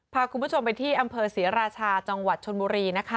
พาคุณผู้ชมไปที่อำเภอศรีราชาจังหวัดชนบุรีนะคะ